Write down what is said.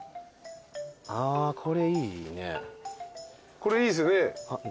これいいっすね。